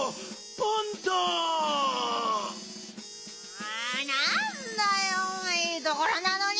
あなんだよいいところなのに！